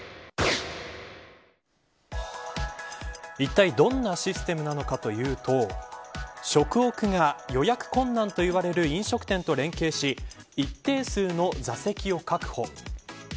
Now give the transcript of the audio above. いったいどんなシステムなのかというと食オクが予約困難といわれる飲食店と連携し一定数の座席を確保。